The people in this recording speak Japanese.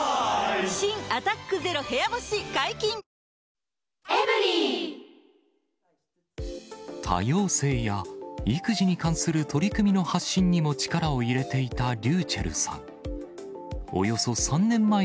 新「アタックＺＥＲＯ部屋干し」解禁‼多様性や育児に関する取り組みの発信にも力を入れていたｒｙｕｃｈｅｌｌさん。